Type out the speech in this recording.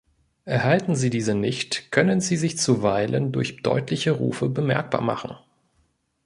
Erhalten sie diese nicht, können sie sich zuweilen durch deutliche Rufe bemerkbar machen.